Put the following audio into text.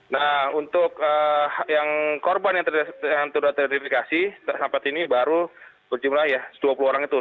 nah untuk yang korban yang sudah teridentifikasi saat ini baru berjumlah ya dua puluh orang itu